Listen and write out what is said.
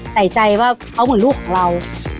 ใส่ใจว่าเขาเหมือนลูกของเรา